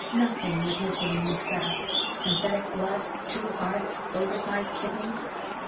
Nothing was missing in this setup synthetic blood, two hearts, oversize kidneys.